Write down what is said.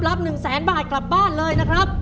รับหนึ่งแสนบาทกลับบ้านเลยนะครับ